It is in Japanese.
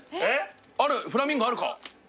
フラミンゴあるか？